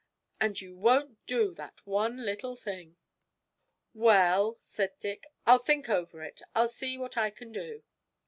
And you won't do that one little thing!' 'Well,' said Dick, 'I'll think over it. I'll see what I can do.'